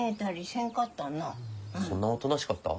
そんなおとなしかった？